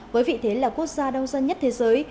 với vị thế là quốc gia đông dân nhất thế giới